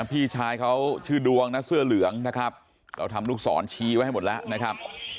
พี่ชายเขาชื่อดวงนะเสื้อเหลืองนะครับเราทำลูกศรชี้ไว้ให้หมดแล้วนะครับ